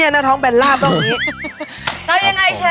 นี่น่าท้องเป็นราบ